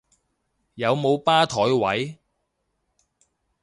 有冇吧枱位？